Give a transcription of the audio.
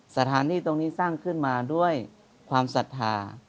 สถานีตรงนี้สร้างขึ้นมาด้วยความศรัทธา